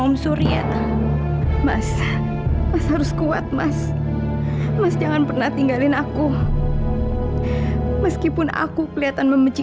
om surya tuh mas mas harus kuat mas mas jangan pernah tinggalin aku meskipun aku kelihatan membenci